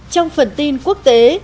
trong phần tin quốc tế